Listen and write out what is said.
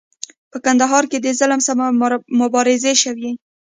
په کندهار کې د ظلم سره مبارزې شوي.